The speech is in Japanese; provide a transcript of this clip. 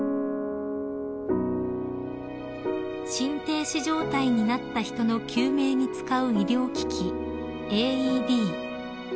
［心停止状態になった人の救命に使う医療機器ＡＥＤ］